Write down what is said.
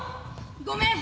ごめん！